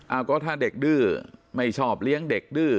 เอาก็ถ้าเด็กดื้อไม่ชอบเลี้ยงเด็กดื้อ